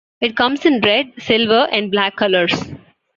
It comes in red, silver and black colours.